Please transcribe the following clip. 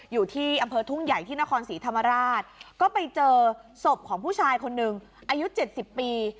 อยู่ที่อำเภอทุ่งใหญ่ที่นครศรีธรรมราชก็ไปเจอศพของผู้ชายคนหนึ่งอายุ๗๐ปี